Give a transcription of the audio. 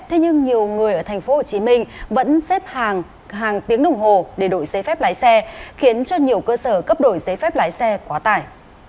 thế nhưng nhiều người ở tp hcm vẫn xếp hàng tiếng đồng hồ để đổi giấy phép lái xe khiến cho nhiều cơ sở cấp đổi giấy phép lái xe quá tải